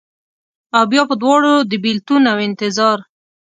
اوبیا په دواړو، د بیلتون اوانتظار